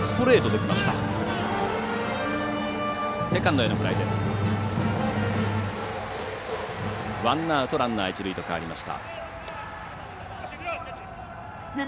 ツーアウト、ランナー、一塁と変わりました。